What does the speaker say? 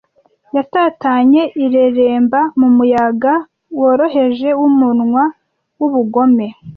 yatatanye ireremba mumuyaga woroheje wumunwa wubugome